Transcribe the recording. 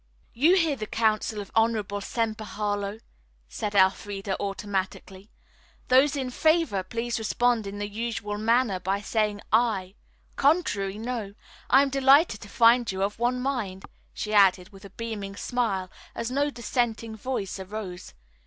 "You hear the counsel of honorable Semper Harlowe," stated Elfreda automatically. "Those in favor please respond in the usual manner by saying 'aye.' Contrary 'no.' I am delighted to find you of one mind," she added, with a beaming smile, as no dissenting voice arose.